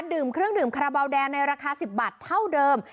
ดื่มเครื่องดื่มคาราบาลแดงในราคา๑๐บาทเท่าเดิม